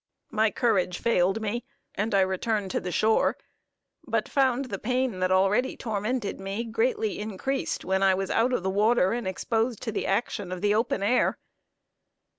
My courage failed me, and I returned to the shore; but found the pain that already tormented me greatly increased, when I was out of the water, and exposed to the action of the open air.